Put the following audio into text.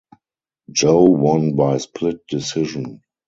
Jo won by split decision.